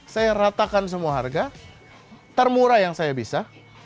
saya ratakan semua harga termurah yang saya bisa